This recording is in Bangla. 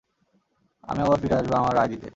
আমি আবার ফিরে আসব আমার রায় দিতে।